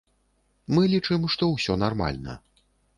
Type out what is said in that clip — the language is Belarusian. Мы лічым, што ўсё нармальна.